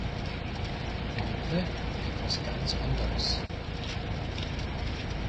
Heute etwas ganz anderes.